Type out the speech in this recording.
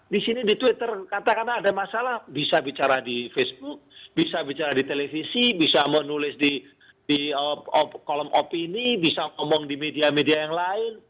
di sini di twitter katakanlah ada masalah bisa bicara di facebook bisa bicara di televisi bisa menulis di kolom opini bisa ngomong di media media yang lain